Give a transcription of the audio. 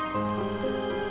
ah dalam uang